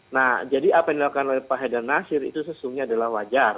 nah jadi apa yang dilakukan oleh pak haidar nasir itu sesungguhnya adalah wajar